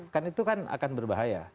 kan itu kan akan berbahaya